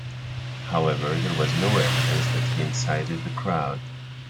However, there was no evidence that he incited the crowd.